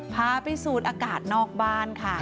พาไปสูดอากาศนอกบ้านค่ะ